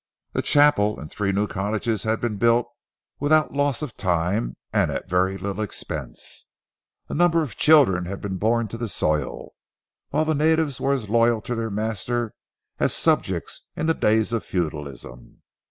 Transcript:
A chapel and three new cottages had been built without loss of time and at very little expense. A number of children had been born to the soil, while the natives were as loyal to their master as subjects in the days of feudalism.